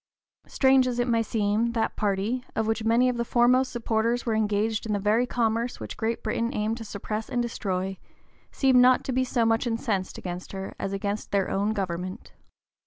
Strange as it may seem, that party, of which many of the foremost supporters were engaged in the very commerce which Great Britain aimed to suppress and destroy, seemed not to be so much (p. 040) incensed against her as against their own government.